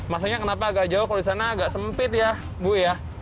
masanya kenapa agak jauh kalau di sana agak sempit ya bu ya